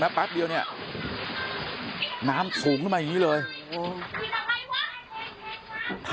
ไหมแป๊บเดี๋ยวเนี่ยแมมหน่ายนี้เลยเหลือ